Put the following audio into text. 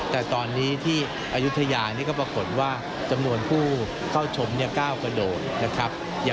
แต่ตอนนี้ที่อายุทยานี่ก็ปรากฏว่าจำนวนผู้เข้าชมก้าวกระโดดนะครับ